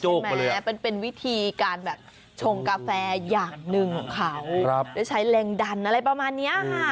ใช่ไหมเป็นวิธีการชงกาแฟอย่างหนึ่งของเขาใช้แรงดันอะไรประมาณนี้